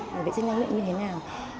để vệ sinh răng miệng như thế nào